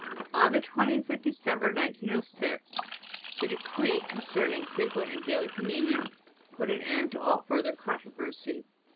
On the 20th of December, 1906, the Decree concerning Frequent and Daily Communion put an end to all further controversy.